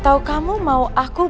atau kamu mau aku berubah